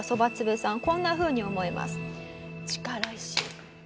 こんなふうに思います。